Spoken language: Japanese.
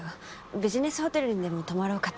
ビジネスホテルにでも泊まろうかと。